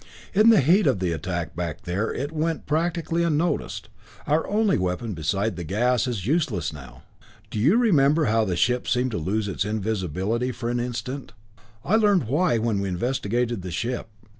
"In the heat of the attack back there it went practically unnoticed. Our only weapon beside the gas is useless now. Do you remember how the ship seemed to lose its invisibility for an instant? I learned why when we investigated the ship.